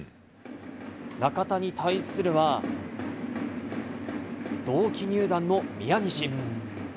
中田に対するは、同期入団の宮西。